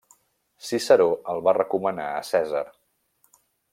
Ciceró el va recomanar a Cèsar.